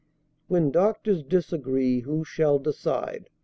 When doctors disagree, who shall decide?